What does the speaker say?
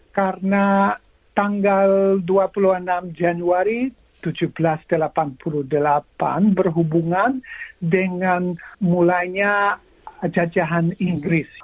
karena tanggal dua puluh enam januari seribu tujuh ratus delapan puluh delapan berhubungan dengan mulanya jajahan inggris